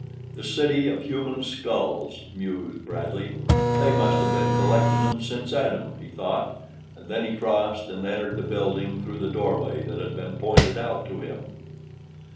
"The City of Human Skulls," mused Bradley. "They must have been collectin' 'em since Adam," he thought, and then he crossed and entered the building through the doorway that had been pointed out to him.